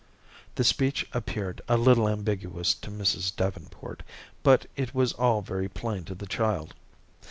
The speech appeared a little ambiguous to Mrs. Davenport, but it was all very plain to the child.